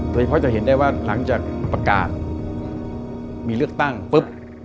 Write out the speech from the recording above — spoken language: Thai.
โดยเฉพาะจะเห็นได้ว่าหลังจากประกาศมีเลือกตั้งปุ๊บ